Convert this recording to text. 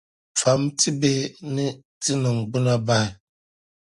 Fam ti bihi ni ti niŋgbuna bahi!